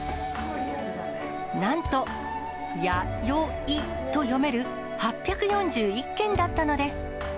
なんと、や・よ・いと読める８４１件だったのです。